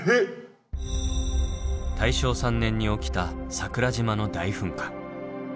大正３年に起きた桜島の大噴火。